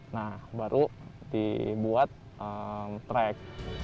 nah baru dibuat track